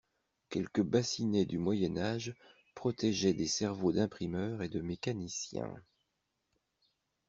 Quelques bassinets du moyen âge protégeaient des cerveaux d'imprimeurs et de mécaniciens.